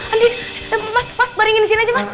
andin mas mas baringin disini aja mas